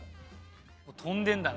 「飛んでんだな」